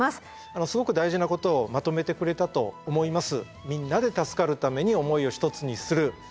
すごく大事なことをまとめてくれたと思います。